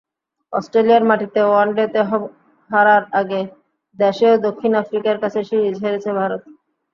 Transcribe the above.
অস্ট্রেলিয়ার মাটিতে ওয়ানডেতে হারার আগে দেশেও দক্ষিণ আফ্রিকার কাছে সিরিজ হেরেছে ভারত।